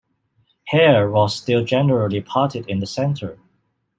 Hair was still generally parted in the center.